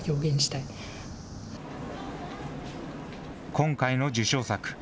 今回の受賞作。